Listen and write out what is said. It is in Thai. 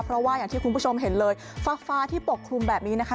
เพราะว่าอย่างที่คุณผู้ชมเห็นเลยฟ้าฟ้าที่ปกคลุมแบบนี้นะคะ